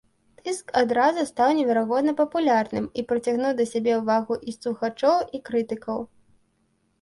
Дыск адразу стаў неверагодна папулярным і прыцягнуў да сябе ўвагу і слухачоў, і крытыкаў.